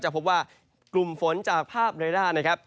จะพบว่ากลุ่มฝนจากภาพด้วยด้านนะครับ